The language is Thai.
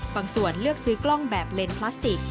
ส่วนเลือกซื้อกล้องแบบเลนพลาสติก